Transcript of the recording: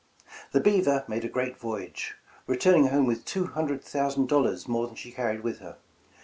"The 'Beaver' made a great voyage, returning home with two hundred thousand dollars more than she car ried with her.